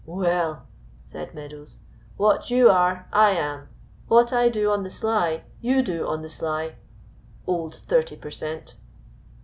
"Well," said Meadows, "what you are, I am; what I do on the sly you do on the sly, old thirty per cent."